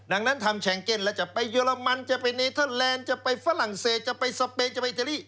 ดังนั้นทำแชงเก็นแล้วจะไปเรมันจะไปเนเทอร์แลนด์จะไปฝรั่งเศสจะไปสเปนจะไปอิตาลี